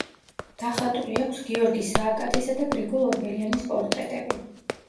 დახატული აქვს გიორგი სააკაძისა და გრიგოლ ორბელიანის პორტრეტები.